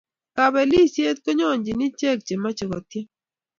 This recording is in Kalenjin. Kapelisiet konyonjini ichek che machei ko tiem